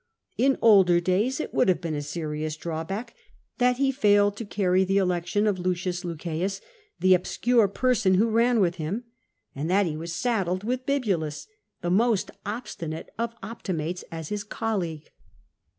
In older days it would have been a serious drawback that he failed to carry the election of L. Lucceius, the obscure person who ran with him, and that he was saddled with Eibulus, the most obstinate of Optimates, as his colleague.